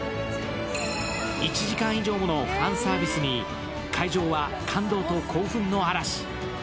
１時間以上ものファンサービスに会場は感動と興奮の嵐。